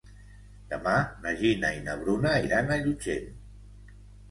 Demà na Gina i na Bruna iran a Llutxent.